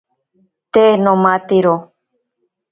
Te nomatero.